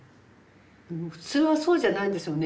普通はそうじゃないんですよね。